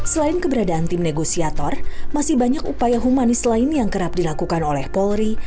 selain keberadaan tim negosiator masih banyak upaya humanis lain yang kerap dilakukan oleh polri